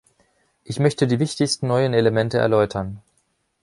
Ich möchte die wichtigsten neuen Elemente erläutern.